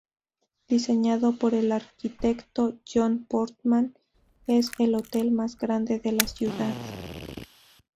Diseñado por el arquitecto John Portman, es el hotel más grande de la ciudad.